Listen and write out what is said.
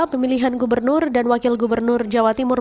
pemilihan gubernur dan wakil gubernur jawa timur